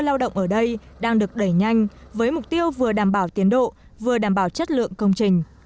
lao động ở đây đang được đẩy nhanh với mục tiêu vừa đảm bảo tiến độ vừa đảm bảo chất lượng công trình